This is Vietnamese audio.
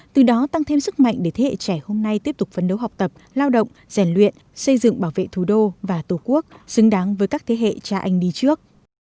từ đó tăng thêm sức mạnh để thế hệ trẻ hôm nay tiếp tục phấn đấu học tập lao động rèn luyện xây dựng bảo vệ thủ đô và tổ quốc xứng đáng với các thế hệ cha anh đi trước